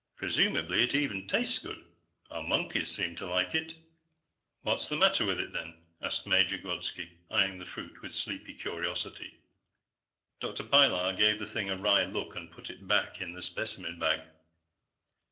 Presumably, it even tastes good; our monkeys seemed to like it." "What's the matter with it, then?" asked Major Grodski, eying the fruit with sleepy curiosity. Dr. Pilar gave the thing a wry look and put it back in the specimen bag.